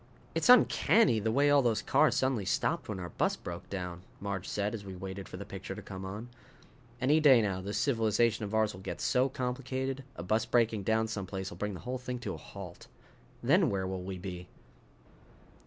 "It's uncanny the way all those cars suddenly stopped when our bus broke down," Marge said as we waited for the picture to come on. "Any day now this civilization of ours will get so complicated a bus breaking down someplace will bring the whole thing to a halt. Then where will we be?"